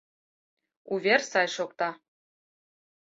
— Увер сай шокта...